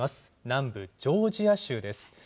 南部ジョージア州です。